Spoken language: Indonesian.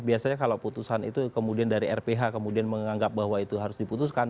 biasanya kalau putusan itu kemudian dari rph kemudian menganggap bahwa itu harus diputuskan